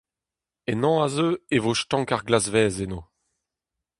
En hañv a zeu e vo stank ar glazvez eno.